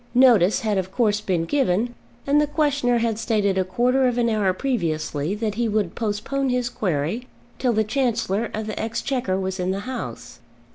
Notice had of course been given, and the questioner had stated a quarter of an hour previously that he would postpone his query till the Chancellor of the Exchequer was in the House.